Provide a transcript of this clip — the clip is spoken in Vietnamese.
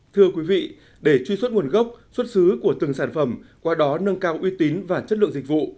thưa quý vị để truy xuất nguồn gốc xuất xứ của từng sản phẩm qua đó nâng cao uy tín và chất lượng dịch vụ